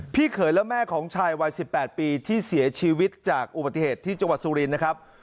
เขยและแม่ของชายวัย๑๘ปีที่เสียชีวิตจากอุบัติเหตุที่จังหวัดสุรินทร์นะครับ